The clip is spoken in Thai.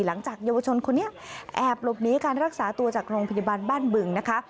หลังจากเยาวชนคนนี้แอบหลบหนีการรักษาตัวจากโรงพยาบาลบ้านบึงนะคะ